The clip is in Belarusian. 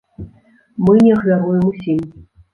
Мы не ахвяруем усім.